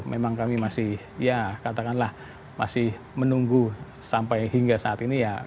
memang kami masih ya katakanlah masih menunggu sampai hingga saat ini ya